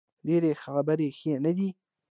ډیرې خبرې ښې نه دي